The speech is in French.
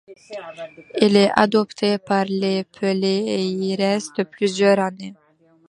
Il est adopté par les Pelés et y reste plusieurs années.